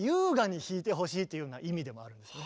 というような意味でもあるんですね。